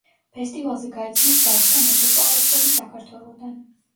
ფესტივალზე გაიცნეს ბავშვთა მოცეკვავე წყვილი საქართველოდან.